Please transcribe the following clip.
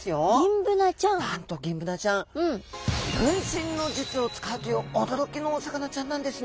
なんとギンブナちゃん分身の術を使うという驚きのお魚ちゃんなんですね。